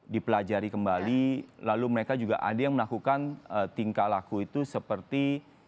dipelajari kembali lalu mereka juga ada yang melakukan tingkah laku itu seperti